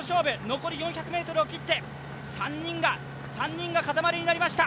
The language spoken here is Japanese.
残り４００ｍを切って３人が固まりになりました。